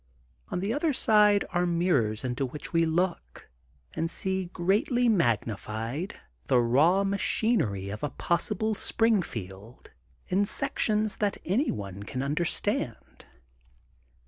On the other side are mirrors into which we look and see greatly magnified the raw machinery of a possible Springfield in sections that any one can un derstand.